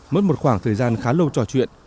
mất một khoảng thời gian khá lâu trò chuyện